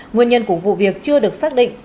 nguyên nhân của vụ việc chưa được xác định